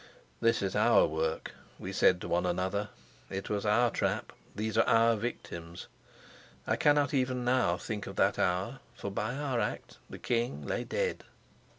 "This is our work," we said to one another. "It was our trap, these are our victims." I cannot even now think of that hour, for by our act the king lay dead.